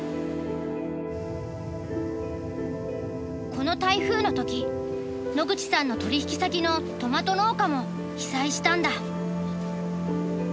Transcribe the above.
この台風の時野口さんの取引先のトマト農家も被災したんだ。